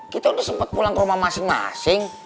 kita udah sempat pulang ke rumah masing masing